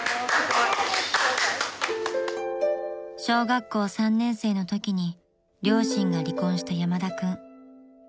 ［小学校３年生のときに両親が離婚した山田君］